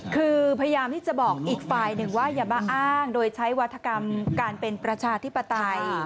คือพยายามที่จะบอกอีกฝ่ายหนึ่งว่าอย่ามาอ้างโดยใช้วัฒกรรมการเป็นประชาธิปไตย